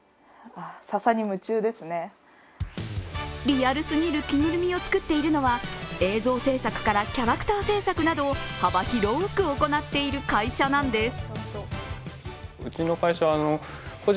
リアルすぎる着ぐるみを作っているのは映像制作からキャラクター制作などを幅広く行っている会社なんです。